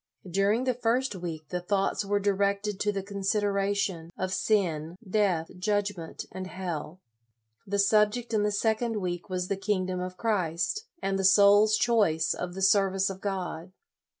During the first week the thoughts were directed to the consideration of sin, death, judgment, and hell. The subject in the second week was the Kingdom of Christ, and the soul's choice of the service of God.